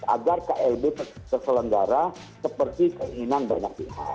agar klb terselenggara seperti keinginan banyak pihak